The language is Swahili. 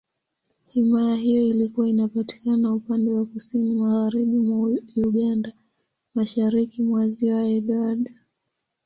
Himaya hiyo ilikuwa inapatikana upande wa Kusini Magharibi mwa Uganda, Mashariki mwa Ziwa Edward.